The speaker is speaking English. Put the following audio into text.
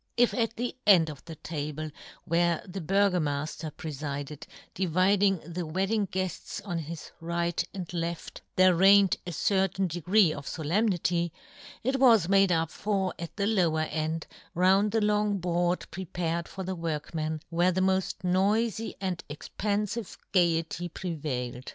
If at the end of the table where the Burgomafter prefided, dividing the wedding guefts on his right and left, there reigned a certain degree of folemnity, it was made up for at the lower end, round the long board pre pared for the workmen, where the moft noify and expanfive gaiety pre vailed.